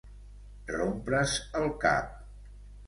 Rompre's el cap.